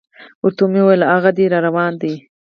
ورته مې وویل: هاغه دی را روان دی.